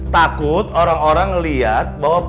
takut orang orang melihat bahwa